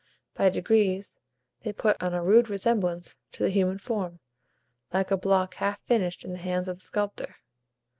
By degrees, they put on a rude resemblance to the human form, like a block half finished in the hands of the sculptor.